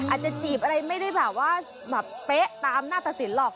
จีบอะไรไม่ได้แบบว่าแบบเป๊ะตามหน้าตะสินหรอก